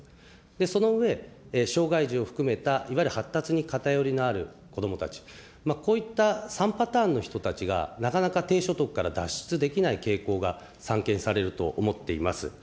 その上、障害児を含めたいわゆる発達に偏りのある子どもたち、こういった３パターンの人たちが、なかなか低所得から脱出できない傾向が散見されると思っています。